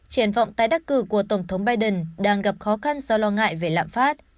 triển vọng tái đắc cử của tổng thống biden đang gặp khó khăn do lo ngại về lạm phát